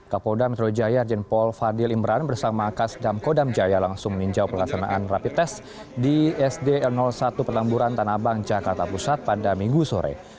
kepoda metro jaya irjenpol fadil imran bersama kas dam kodam jaya langsung meninjau pelaksanaan rapid test di sd satu petamburan tanah abang jakarta pusat pada minggu sore